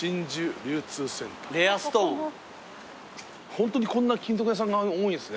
ホントにこんな金属屋さんが多いんすね。